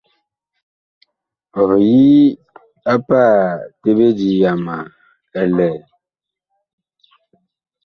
Ɔg yi a pah tawedi yama ɛ lɛ ?